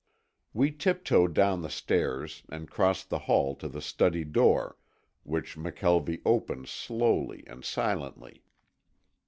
We tiptoed down the stairs and crossed the hall to the study door, which McKelvie opened slowly and silently.